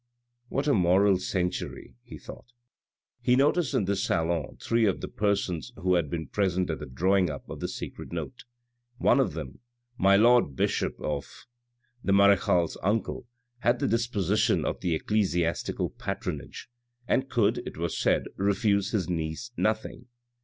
" What a moral century !" he thought. He noticed in this salon three of the persons who had been present at the drawing up of the secret note. One of them, my lord bishop of the marechale's uncle had the disposition of the ecclesiastical patronage, and could, it was said, refuse his niece nothing.